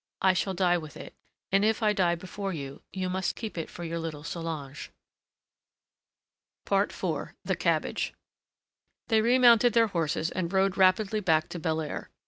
"I shall die with it, and if I die before you, you must keep it for your little Solange." IV THE CABBAGE They remounted their horses, and rode rapidly back to Belair.